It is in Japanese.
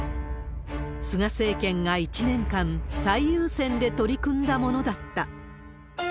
菅政権が１年間、最優先で取り組んでものだった。